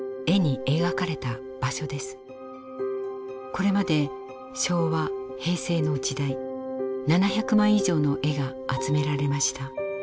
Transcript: これまで昭和・平成の時代７００枚以上の絵が集められました。